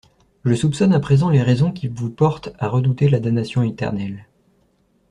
Je soupçonne à présent les raisons qui vous portent à redouter la damnation éternelle.